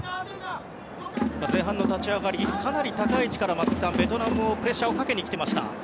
前半の立ち上がりかなり高い位置からベトナムもプレッシャーをかけに来ていました。